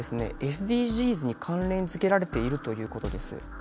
ＳＤＧｓに関連づけられているということです。